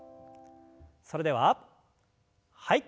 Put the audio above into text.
それでははい。